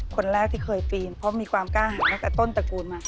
คนแรกที่เคยปีนเพราะมีความกล้าหาตั้งแต่ต้นตระกูลมา